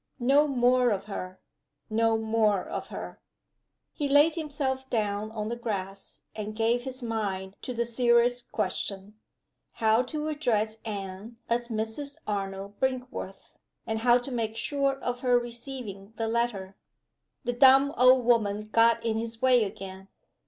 No more of her! no more of her! He laid himself down on the grass, and gave his mind to the serious question. How to address Anne as "Mrs. Arnold Brinkworth?" and how to make sure of her receiving the letter? The dumb old woman got in his way again.